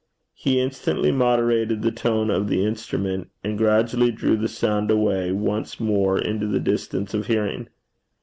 He instantly moderated the tone of the instrument, and gradually drew the sound away once more into the distance of hearing.